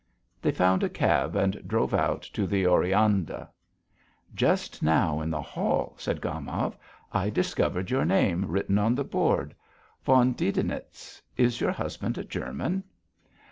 They found a cab and drove out to the Oreanda. "Just now in the hall," said Gomov, "I discovered your name written on the board von Didenitz. Is your husband a German?"